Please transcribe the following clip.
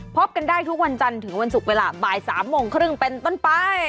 พบกันได้ทุกวันจันทร์ถึงวันศุกร์เวลาบ่าย๓โมงครึ่งเป็นต้นไป